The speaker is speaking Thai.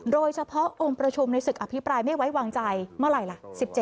โดยเฉพาะองค์ประชุมในศึกอภิปรายไม่ไว้วางใจเมื่อไหร่ล่ะ